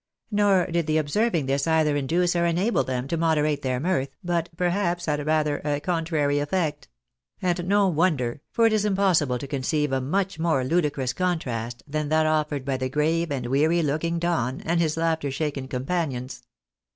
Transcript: Nor did the observing this either induce or enable them to moderate their mirth, but perhaps had rather a contrary effect ; and no wonder, for it is impossible to conceive a much more ludicrous contrast than that offered by the grave and weary look ing Don, and his laughter shaken companions.